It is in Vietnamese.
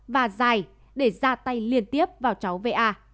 và dài để ra tay liên tiếp vào cháu v a